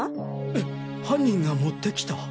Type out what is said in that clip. えっ犯人が持ってきた？